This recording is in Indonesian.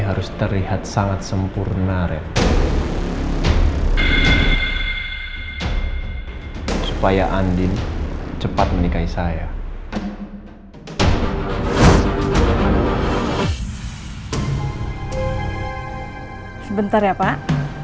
harus terlihat sangat sempurna revo supaya andin cepat menikahi saya sebentar ya pak